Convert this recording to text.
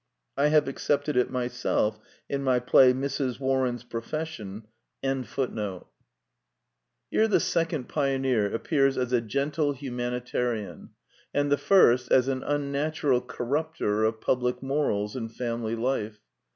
I have accepted it myself in my play Mrs. Warren's Profession. (1912). The Two Pioneers 3 Here the second pioneer appears as a gentle humanitarian, and the first as an unnatural cor rupter of public morals and family life.